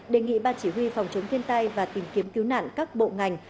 đề nghị ban chỉ huy phòng chống thiên tai và tìm kiếm cứu nạn các bộ ngành